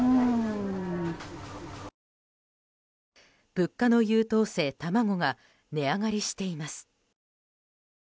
物価の優等生卵が値上がりしています。